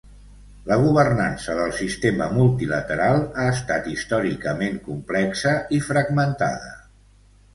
La governança del sistema multilateral ha estat històricament complexa i fragmentada.